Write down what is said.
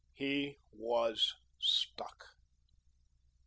He was stuck.